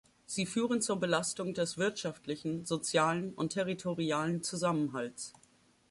Sie führen zur Belastung des wirtschaftlichen, sozialen und territorialen Zusammenhalts.